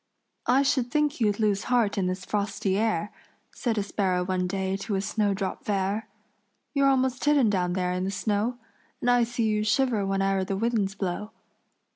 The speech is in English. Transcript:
"I should think you'd lose heart in this frosty air," Said a sparrow one day to a snowdrop fair. "You're almost hidden down there in the snow, And I see you shiver whene'er the winds blow.